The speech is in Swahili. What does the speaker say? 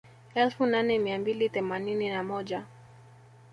Elfu nane mia mbili themanini na moja